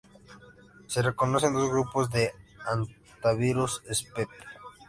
Se reconocen dos grupos de "Hantavirus spp.